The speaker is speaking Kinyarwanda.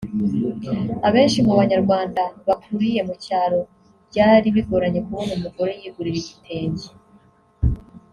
Abenshi mu Banyarwanda bakuriye mu cyaro byari bigoranye kubona umugore yigurira igitenge